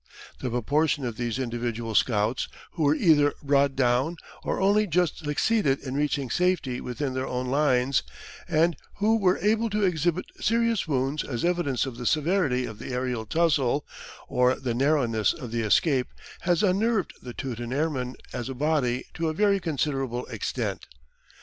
The proportion of these individual scouts who were either brought down, or only just succeeded in reaching safety within their own lines, and who were able to exhibit serious wounds as evidence of the severity of the aerial tussle, or the narrowness of the escape, has unnerved the Teuton airmen as a body to a very considerable extent.